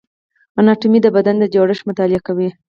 اناتومي د بدن جوړښت مطالعه کوي